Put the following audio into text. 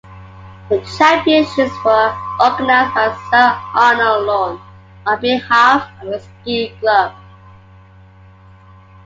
The championships were organised by Sir Arnold Lunn on behalf of the Ski Club.